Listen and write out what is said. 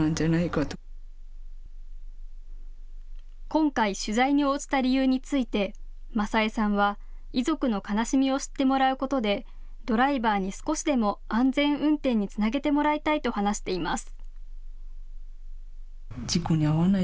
今回、取材に応じた理由について正恵さんは、遺族の悲しみを知ってもらうことでドライバーに少しでも安全運転につなげてもらいたいと話しています。